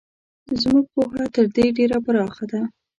زموږ پوهه تر دې ډېره پراخه ده.